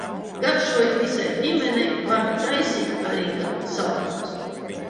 Garšoja visai ģimenei. Var taisīt arī kā saldos.